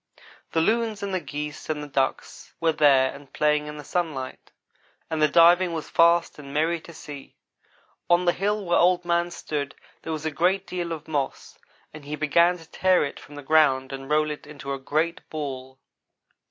The loons and the geese and the ducks were there and playing in the sunlight. The loons were laughing loudly and the diving was fast and merry to see. On the hill where Old man stood there was a great deal of moss, and he began to tear it from the ground and roll it into a great ball.